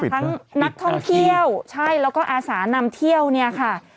นักท่องเที่ยวใช่แล้วก็อาสานำเที่ยวเนี่ยค่ะ